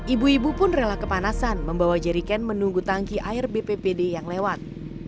ibu ibu pun rela kepanasan membawa jeriken menunggu tangki air bppd yang lewat